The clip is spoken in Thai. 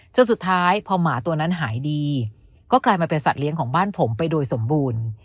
จนสุดท้ายพอหมาตัวนั้นหายดีก็กลายมาเป็นสัตว์เลี้ยงของบ้านผมไปโดยสมบูรณ์